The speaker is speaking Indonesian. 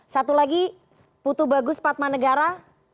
satu lagi putu bagus padma negara